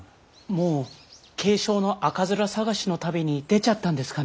もう軽症の赤面探しの旅に出ちゃったんですかね。